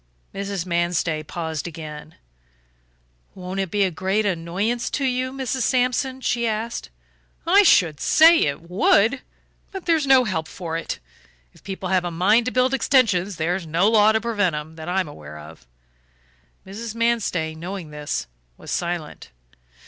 Mrs. Manstey paused again. "Won't it be a great annoyance to you, Mrs. Sampson?" she asked. "I should say it would. But there's no help for it; if people have got a mind to build extensions there's no law to prevent 'em, that I'm aware of." Mrs. Manstey, knowing this, was silent.